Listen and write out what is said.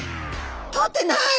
通ってない！